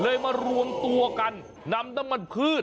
มารวมตัวกันนำน้ำมันพืช